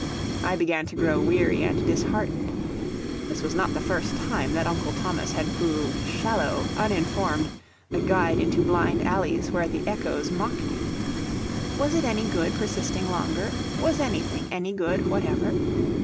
I began to grow weary and disheartened. This was not the first time that Uncle Thomas had proved shallow, uninformed, a guide into blind alleys where the echoes mocked you. Was it any good persisting longer? Was anything any good whatever?